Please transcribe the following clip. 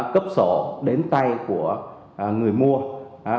cấp sổ đến tay của người mua